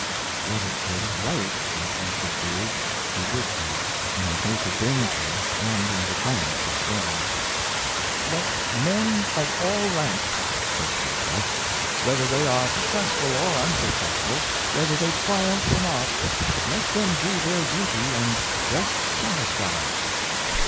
What it was right that he should do, he would do, in the face of danger and in defiance of storms. " Let men of all ranks," said Plato, " whether they are successful or unsuccessful, whether they triumph or not — let them do their duty, and rest satisfied."